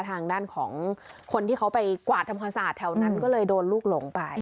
ทางด้านของคนที่เขาไปกวาดทำความสะอาดแถวนั้นก็เลยโดนลูกหลงไป